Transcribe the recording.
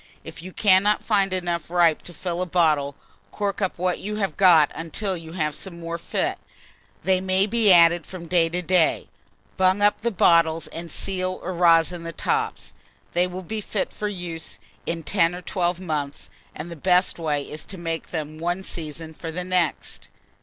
If you cannot find enough ripe to fill a bottle, cork up what you have got until you have some more fit: they may be added from day to day. Bung up the bottles, and seal or rosin the tops. They will be fit for use in 10 or 12 months; and the best way is to make them one season for the next.